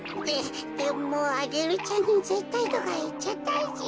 ででもアゲルちゃんにぜったいとかいっちゃったし。